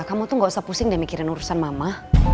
kamu tuh gak usah pusing deh mikirin urusan mama